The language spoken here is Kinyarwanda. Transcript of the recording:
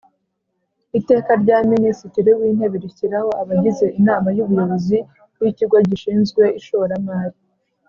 Iteka rya Minisitiri w Intebe rishyiraho abagize Inama y Ubuyobozi y Ikigo gishinzwe ishoramari